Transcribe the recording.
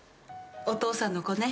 お父さんの子ね。